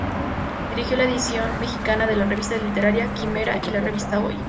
Dirigió la edición mexicana de la revista literaria "Quimera" y la revista "Hoy".